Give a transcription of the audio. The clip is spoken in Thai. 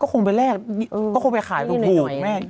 ก็คงเป็นเล่าก็คงไปขายอย่างนี้แล้วสมมุติแม่